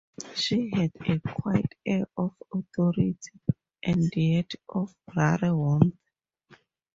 She had a quiet air of authority, and yet of rare warmth.